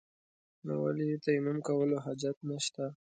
نو ولې يې تيمم کولو حاجت نشته.